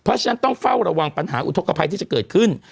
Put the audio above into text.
เพราะฉะนั้นต้องเฝ้าระวังปัญหาอุทธกภัยที่จะเกิดขึ้น